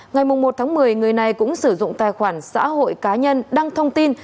ngày một một mươi người này cũng sử dụng tài khoản xã hội cá nhân đăng thông tin